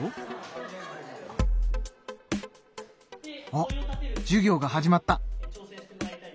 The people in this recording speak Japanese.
あっ授業が始まった。